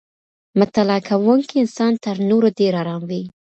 مطالعه کوونکی انسان تر نورو ډېر ارام وي.